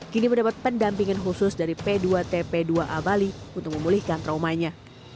kini mendapat pendampingan khusus dari p dua tp dua a bali untuk memulihkan traumanya